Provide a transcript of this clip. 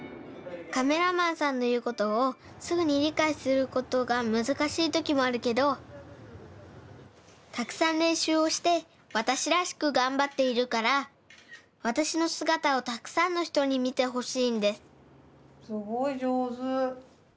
カメラマンさんのいうことをすぐにりかいすることがむずかしいときもあるけどたくさんれんしゅうをしてわたしらしくがんばっているからわたしのすがたをたくさんのひとにみてほしいんですすごいじょうず！